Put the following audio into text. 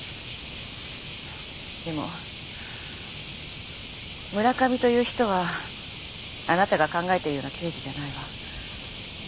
でも村上という人はあなたが考えてるような刑事じゃないわ。